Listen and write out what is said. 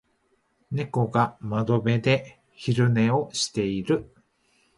猫が窓辺で昼寝をしている。